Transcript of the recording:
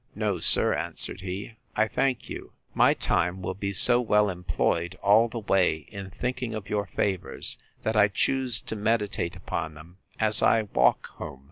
No, sir, answered he, I thank you. My time will be so well employed all the way, in thinking of your favours, that I choose to meditate upon them, as I walk home.